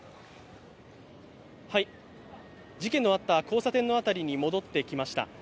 事件のあった交差点の辺りに戻ってきました。